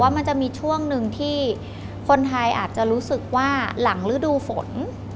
มันจะมีช่วงหนึ่งที่คนไทยอาจจะรู้สึกว่าหลังฤดูฝน